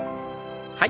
はい。